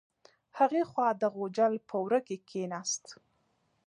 هغې خوا د غوجل په وره کې کیناست.